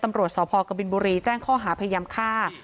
ตำรวจสพกบินบุรีแจ้งข้อหาพยายามฆ่า